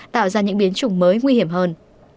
tạo ra những biến chủng mới nguy hiểm hơn